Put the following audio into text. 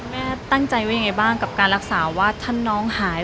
แม่ตั้งใจว่ายังไงบ้างกับการรักษาว่าถ้าน้องหาย